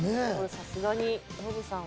さすがにノブさんは。